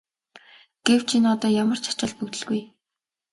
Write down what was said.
Гэвч энэ одоо ямар ч ач холбогдолгүй.